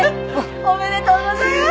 おめでとうございます。